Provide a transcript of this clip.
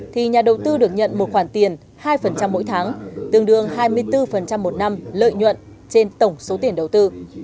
thì nhà đầu tư được nhận một khoản tiền hai mỗi tháng tương đương hai mươi bốn một năm lợi nhuận trên tổng số tiền đầu tư